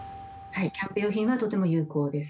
キャンプ用品はとても有効です。